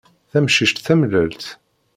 Tamcict tamellalt.